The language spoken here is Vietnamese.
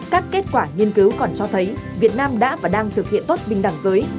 các kết quả nghiên cứu còn cho thấy việt nam đã và đang thực hiện tốt bình đẳng giới